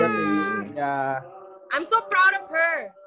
aku sangat bangga dengan dia